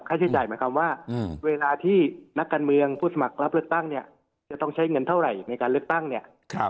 ใช้จ่ายหมายความว่าเวลาที่นักการเมืองผู้สมัครรับเลือกตั้งเนี่ยจะต้องใช้เงินเท่าไหร่ในการเลือกตั้งเนี่ย